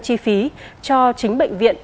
chi phí cho chính bệnh viện